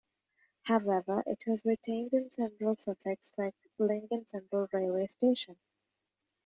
However, it has retained its "Central" suffix, like Lincoln Central railway station.